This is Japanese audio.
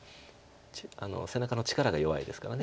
背中の力が弱いですから。